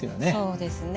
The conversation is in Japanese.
そうですね。